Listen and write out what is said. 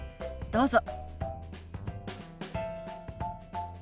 どうぞ。